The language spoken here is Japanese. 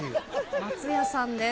松也さんです。